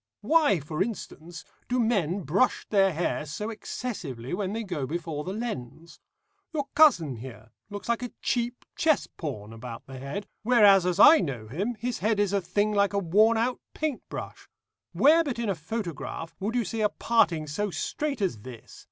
Why, for instance, do men brush their hair so excessively when they go before the lens? Your cousin here looks like a cheap chess pawn about the head, whereas as I know him his head is a thing like a worn out paint brush. Where but in a photograph would you see a parting so straight as this?